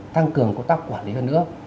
tăng cường công tác quản lý hơn nữa